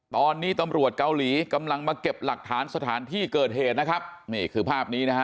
ตอนนี้ตำรวจเกาหลีกำลังมาเก็บหลักฐานสถานที่เกิดเหตุนะครับนี่คือภาพนี้นะฮะ